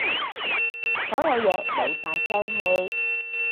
所有嘢冇晒聲氣